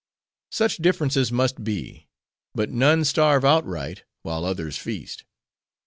Such differences must be. But none starve outright, while others feast.